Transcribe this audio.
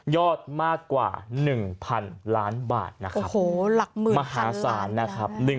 ยอดมากกว่า๑๐๐๐ล้านบาทมหาศาลนะครับ